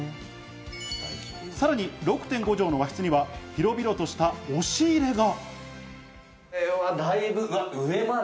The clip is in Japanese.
さらに６．５畳の和室には広々とした押入れが。